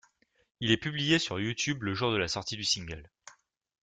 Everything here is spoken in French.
Il est publié sur YouTube le jour de la sortie du single.